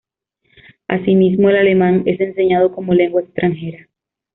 Asimismo, el alemán, es enseñado como lengua extranjera.